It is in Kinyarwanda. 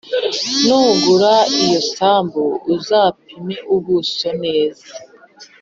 Nugura iyo sambu uzapime ubuso neza